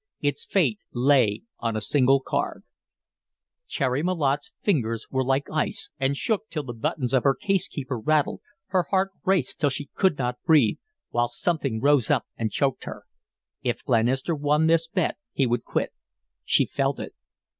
Its fate lay on a single card. Cherry Malotte's fingers were like ice and shook till the buttons of her case keeper rattled, her heart raced till she could not breathe, while something rose up and choked her. If Glenister won this bet he would quit; she felt it.